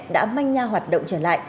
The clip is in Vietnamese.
đã manh nha hoạt động cho các đối tượng